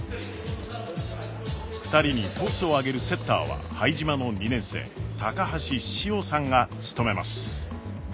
２人にトスを上げるセッターは拝島の２年生橋詩音さんが務めます。